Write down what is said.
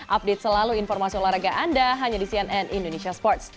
update selalu informasi olahraga anda hanya di cnn indonesia sports